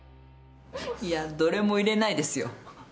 いやどれも入れないですよ。